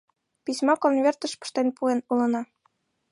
— Письма конвертыш пыштен пуэн улына.